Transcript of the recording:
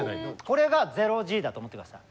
これが０Ｇだと思って下さい。